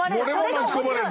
巻き込まれる。